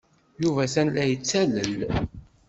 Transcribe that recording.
Yuba atan la yettalel.